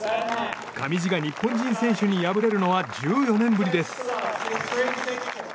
上地が日本人選手に敗れるのは１４年ぶりです。